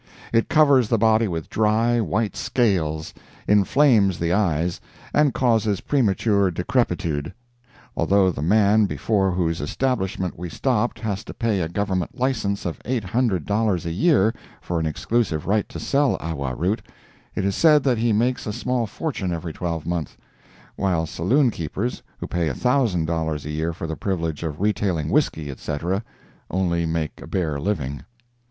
It covers the body with dry, white scales, inflames the eyes, and causes premature decrepitude. Although the man before whose establishment we stopped has to pay a Government license of eight hundred dollars a year for an exclusive right to sell awa root, it is said that he makes a small fortune every twelve month; while saloon keepers, who pay a thousand dollars a year for the privilege of retailing whisky, etc., only make a bare living.